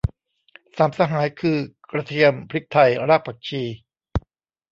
สามสหายคือ กระเทียม พริกไทย รากผักชี